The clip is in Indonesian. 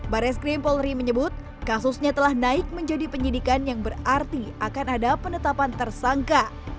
baris krim polri menyebut kasusnya telah naik menjadi penyidikan yang berarti akan ada penetapan tersangka